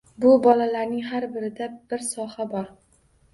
Bu bolalarning har birida bir soha bor.